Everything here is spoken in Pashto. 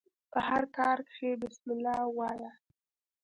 په هر کار کښي بسم الله وايه!